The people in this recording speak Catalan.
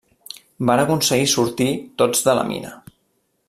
Van aconseguir sortir tots de la mina.